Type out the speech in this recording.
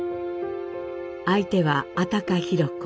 相手は安宅裕子。